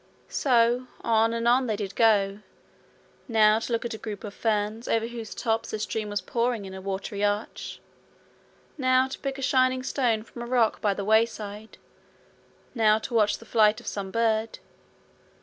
So on and on they did go, now to look at a group of ferns over whose tops a stream was pouring in a watery arch, now to pick a shining stone from a rock by the wayside, now to watch the flight of some bird.